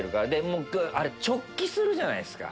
もうあれ直帰するじゃないですか。